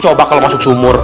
coba kalau masuk sumur